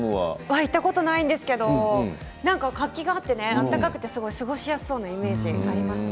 行ったことないんですけど活気があって、暖かくて過ごしやすそうな気がします。